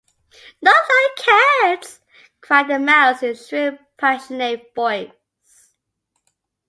"Not like cats!" cried the Mouse, in a shrill, passionate voice.